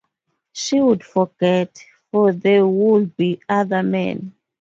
She would forget, for there would be other men.